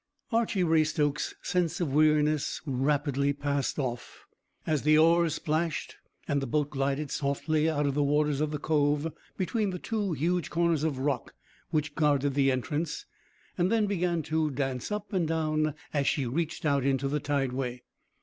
Archy Raystoke's sense of weariness rapidly passed off, as the oars splashed, and the boat glided softly out of the waters of the cove, between the two huge corners of rock which guarded the entrance, and then began to dance up and down as she reached out into the tideway.